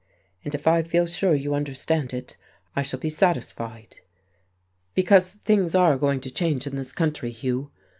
And if I feel sure you understand it, I shall be satisfied. "Because things are going to change in this country, Hugh.